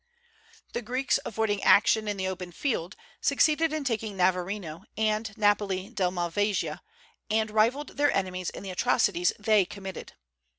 The Greeks avoiding action in the open field, succeeded in taking Navarino and Napoli di Malvasia, and rivalled their enemies in the atrocities they committed.